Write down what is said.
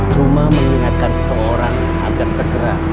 cuma mengingatkan seseorang agar segera